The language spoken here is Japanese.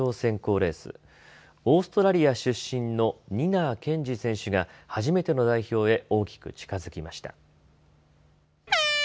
オーストラリア出身のニナー賢治選手が初めての代表へ大きく近づきました。